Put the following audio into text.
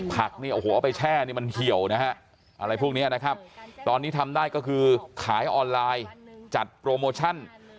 เนี่ยโอ้โหเอาไปแช่นี่มันเหี่ยวนะฮะอะไรพวกนี้นะครับตอนนี้ทำได้ก็คือขายออนไลน์จัดโปรโมชั่น